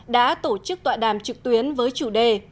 đã tổ chức tọa đàm trực tuyến với chủ đề